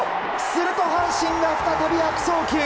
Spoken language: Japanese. すると、阪神が再び悪送球。